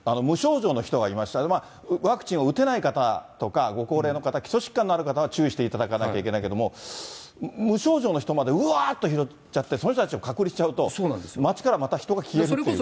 無症状の人がいて、ワクチンを打てない方とか、ご高齢の方、基礎疾患のある方は注意していただかないといけないけども、無症状の人までうわーっと拾っちゃって、その人たちを隔離すると街からまた人が消える。